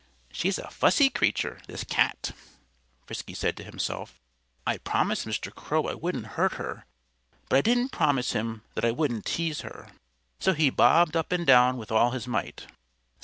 "She's a fussy creature this cat!" Frisky said to himself. "I promised Mr. Crow I wouldn't hurt her; but I didn't promise him that I wouldn't tease her." So he bobbed up and down with all his might.